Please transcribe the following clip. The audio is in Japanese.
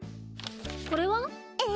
これは？え？